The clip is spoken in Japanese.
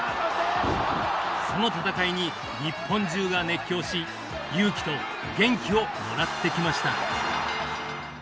その戦いに日本中が熱狂し勇気と元気をもらってきました。